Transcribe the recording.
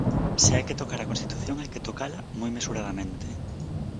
Se hai que tocar a Constitución hai que tocala moi mesuradamente.